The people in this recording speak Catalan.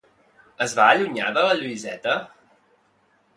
Es va allunyar de la Lluïseta?